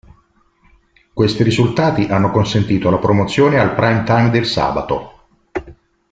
Questi risultati hanno consentito la promozione al prime time del sabato.